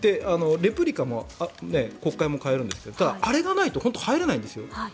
レプリカも国会も買えるんですけどただ、あれがないと入れないんです。